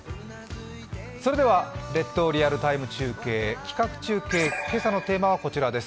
それでは「列島リアルタイム中継」企画中継、今朝のテーマはこちらです。